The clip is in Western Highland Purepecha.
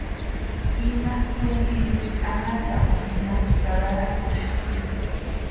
Ima tumpiecha anhatapuni ma karharakuxati.